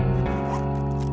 alia gak ada ajak rapat